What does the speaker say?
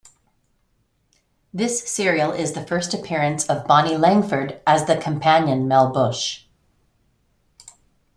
This serial is the first appearance of Bonnie Langford as the companion Mel Bush.